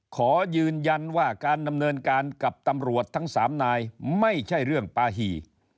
ขอยืนยันว่าการดำเนินการกับตำรวจทั้ง๓นายไม่ใช่เรื่องปาหี่